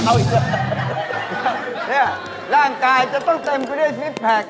เนี่ยร่างกายจะต้องเต็มไปด้วยซิปแพค